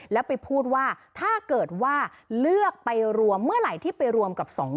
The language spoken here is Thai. แล้วไปพูดว่าถ้าเกิดว่าเลือกไปรวมเมื่อไหร่ที่ไปรวมกับ๒๐๐